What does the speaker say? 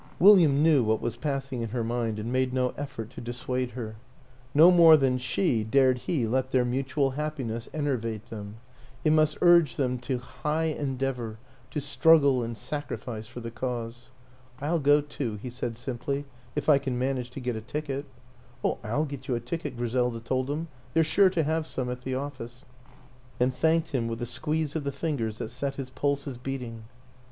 William knew what was passing in her mind and made no effort to dissuade her. No more than she dared he let their mutual happiness en ervate them it must urge them to high en deavor, to struggle and sacrifice for the Cause. " I'll go too," he said simply, " if I can manage to get a ticket." " Oh, I'll get you a ticket," Griselda told him; " they're sure to 'have some at the office " and thanked him with a squeeze of the fingers that set his pulses beating.